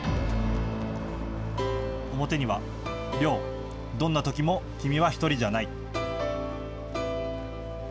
表には亮、どんなときも君は１人じゃない。